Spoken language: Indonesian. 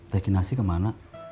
teh kinasi kemana